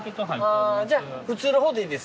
じゃあ普通の方でいいです。